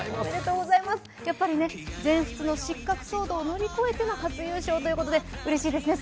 やっぱり全仏の失格騒動を乗り越えての優勝、うれしいですね。